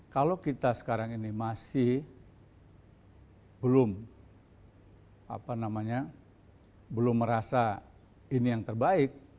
kalau kita sekarang ini masih belum merasa ini yang terbaik